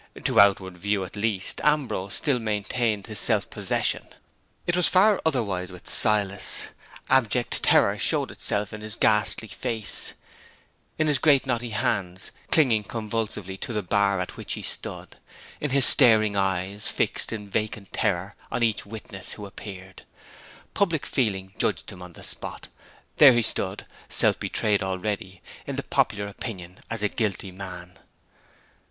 To outward view at least, Ambrose still maintained his self possession. It was far otherwise with Silas. Abject terror showed itself in his ghastly face; in his great knotty hands, clinging convulsively to the bar at which he stood; in his staring eyes, fixed in vacant horror on each witness who appeared. Public feeling judged him on the spot. There he stood, self betrayed already, in the popular opinion, as a guilty man!